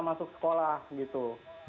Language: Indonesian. masuk sekolah gitu